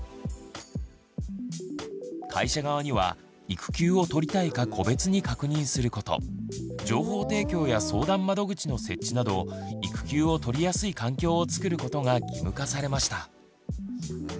会社側には育休を取りたいか個別に確認すること情報提供や相談窓口の設置など育休を取りやすい環境をつくることが義務化されました。